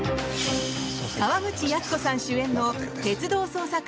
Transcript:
沢口靖子さん主演の「鉄道捜査官」